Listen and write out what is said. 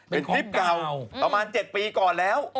เป็นคลิปเก่าประมาณ๗ปีก่อนแล้ว